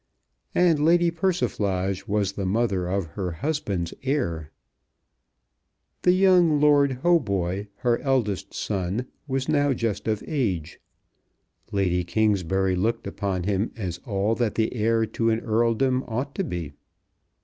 And Lady Persiflage was the mother of her husband's heir. The young Lord Hautboy, her eldest son, was now just of age. Lady Kingsbury looked upon him as all that the heir to an earldom ought to be.